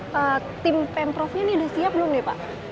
nah tim pemprov ini udah siap belum nih pak